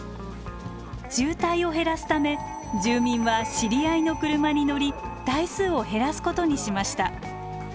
渋滞を減らすため住民は知り合いの車に乗り台数を減らすことにしました。